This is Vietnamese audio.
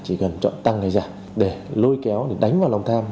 chỉ cần chọn tăng hay giả để lôi kéo đánh vào lòng tham